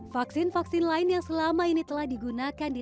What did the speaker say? vaksin vaksin lain yang selama ini telah digunakan di